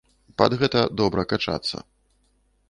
Пад гэта добра качацца.